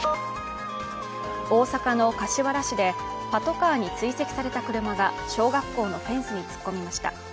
大阪の柏原市でパトカーに追跡された車が小学校のフェンスに突っ込みました。